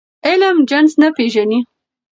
علم جنس نه پېژني.